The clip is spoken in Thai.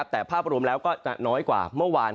แต่ภาพรวมแล้วก็จะน้อยกว่าเมื่อวาน